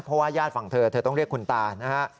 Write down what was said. เพราะว่าญาติฝั่งเธอเธอต้องเรียกคุณตานะฮะ